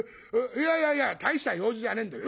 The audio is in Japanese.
いやいや大した用事じゃねえんだよ。